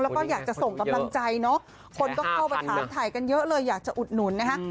แล้วก็อยากจะส่งกำลังใจเนอะคนก็เข้าไปถามถ่ายกันเยอะเลยอยากจะอุดหนุนนะฮะ